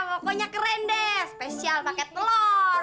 pokoknya keren deh spesial pakai telur